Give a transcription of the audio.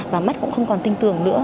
và mắt cũng không còn tinh tưởng nữa